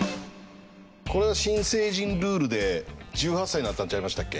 これは新成人ルールで１８歳になったんちゃいましたっけ？